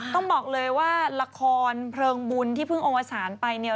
ต้องบอกเลยว่าละครเพลิงบุญที่เพิ่งอวสารไปเนี่ย